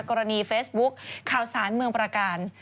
กรณีเฟซบุ๊คข่าวสารเมืองประการ